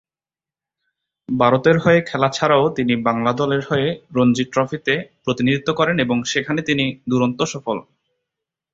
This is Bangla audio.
ভারতের হয়ে খেলা ছাড়াও তিনি বাংলা দলের হয়ে রঞ্জি ট্রফিতে প্রতিনিধিত্ব করেন এবং সেখানে তিনি দুরন্ত সফল।